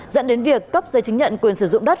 dẫn đến việc cấp giấy chứng nhận quyền sử dụng đất